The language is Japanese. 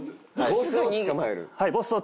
ボスを捕まえます。